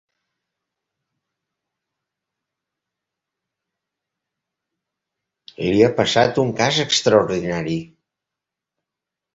Li ha passat un cas extraordinari.